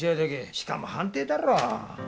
しかも判定だろ。